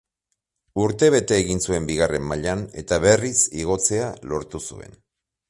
Urtebete egin zuen bigarren mailan eta berriz igotzea lortu zuen.